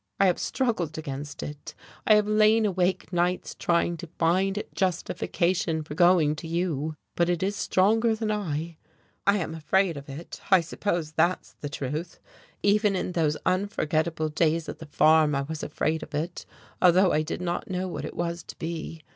I have struggled against it, I have lain awake nights trying to find justification for going to you, but it is stronger than I. I am afraid of it I suppose that's the truth. Even in those unforgettable days at the farm I was afraid of it, although I did not know what it was to be.